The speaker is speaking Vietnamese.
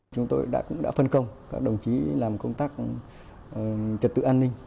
chúng tôi đã cũng đã phân công các đồng chí làm công tác trật tự an ninh